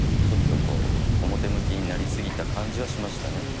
ちょっと表向きになり過ぎた感じはしましたね